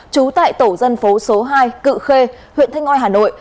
trú tại tổ dân phố số hai cự khê huyện thanh ngoi hà nội